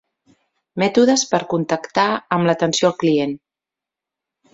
Mètodes per contactar amb l'atenció al client.